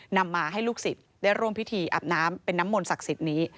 นำมาให้ลูกศิษย์ได้ร่วมพิธีอาบน้ำเป็นน้ำมนตักสิทธิ์นี้